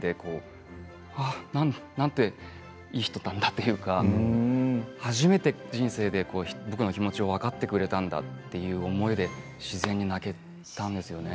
声を聞いただけでなんていい人なんだっていうか初めて人生で僕の気持ちを分かってくれたんだという思いで自然に泣けたんですよね。